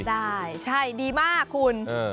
ได้ใช่ดีมากคุณ